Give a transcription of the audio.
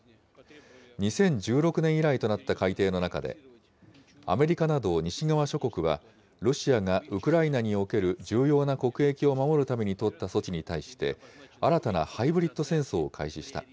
２０１６年以来となった改定の中で、アメリカなど西側諸国は、ロシアがウクライナにおける重要な国益を守るために取った措置に対して、新たなハイブリッド戦争を開始した。